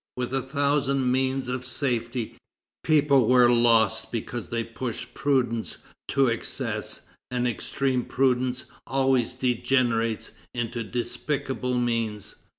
With a thousand means of safety, people were lost because they pushed prudence to excess, and extreme prudence always degenerates into despicable means.